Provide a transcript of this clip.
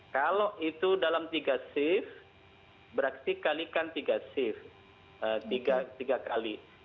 kalau itu dalam tiga shift berarti kalikan tiga shift tiga kali